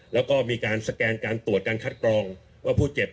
แล้วก็มีการสแกนการตรวจการคัดกรองว่าผู้เจ็บ